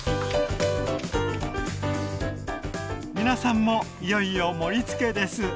皆さんもいよいよ盛りつけです！